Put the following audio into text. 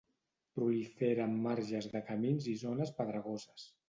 Prolifera en marges de camins i zones pedregoses.